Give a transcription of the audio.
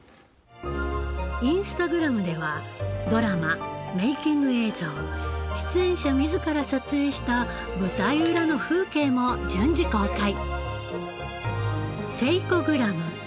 インスタグラムではドラマメイキング映像出演者自ら撮影した舞台裏の風景も順次公開。